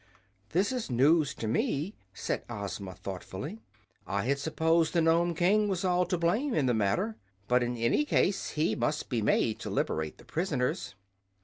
"This is news to me," said Ozma, thoughtfully. "I had supposed the Nome King was all to blame in the matter. But, in any case, he must be made to liberate the prisoners."